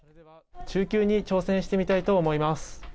中級に挑戦してみたいと思い